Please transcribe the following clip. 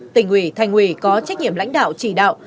tỉnh ủy thành ủy có trách nhiệm lãnh đạo chỉ đạo